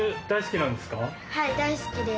はい大好きです。